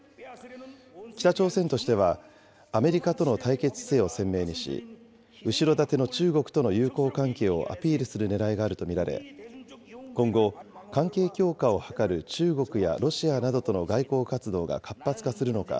北朝鮮としてはアメリカとの対決姿勢を鮮明にし、後ろ盾の中国との友好関係をアピールするねらいがあると見られ、今後、関係強化を図る中国やロシアなどとの外交活動が活発化するのか